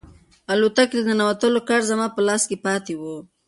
الوتکې ته د ننوتلو کارت زما په لاس کې پاتې و.